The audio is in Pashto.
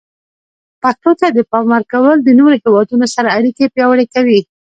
پښتو ته د پام ورکول د نورو هیوادونو سره اړیکې پیاوړي کوي.